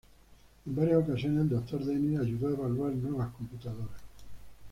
En varias ocasiones, el doctor Dennis ayudó a evaluar nuevas computadoras.